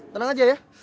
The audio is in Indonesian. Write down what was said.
tenang aja ya